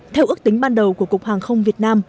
theo ước tính ban đầu của cục hàng không việt nam